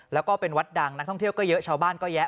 แล้วก็เป็นวัดดังนักท่องเที่ยวก็เยอะชาวบ้านก็แยะ